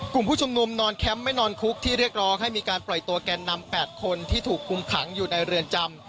กลุ่มผู้ชุมนุมนอนแคมป์ไม่นอนคุกที่เรียกร้องให้มีการปล่อยตัวแกนนำ๘คนที่ถูกคุมขังอยู่ในเรือนจำ